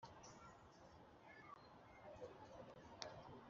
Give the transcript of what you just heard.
Bene ayo magambo yerekana iki mu nteruro ya kane‽